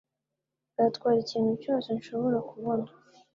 Nzatwara ikintu cyose nshobora kubona